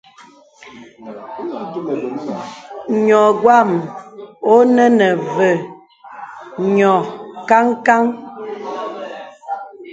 Nyɔ̄ wàm ɔ̀nə nə v yɔ̄ kan kan.